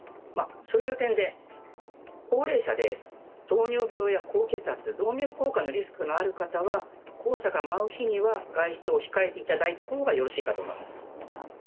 そういう点で、高齢者で糖尿病や高血圧、動脈硬化のリスクのある方は黄砂が舞う日には外出を控えていただいたほうがよろしいかと思います。